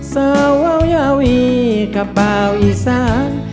เสาเว้ายาวอี้กระเป๋าอีสาน